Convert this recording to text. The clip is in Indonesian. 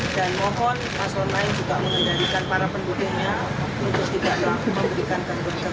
dan mohon paswar lain juga mengendalikan para pendukungnya untuk tidak memberikan keamanan